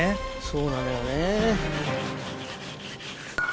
そうなのよね。